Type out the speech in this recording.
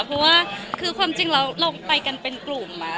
เพราะว่าคือความจริงแล้วเราไปกันเป็นกลุ่ม